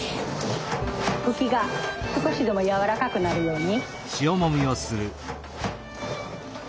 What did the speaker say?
フキが少しでも軟らかくなるように。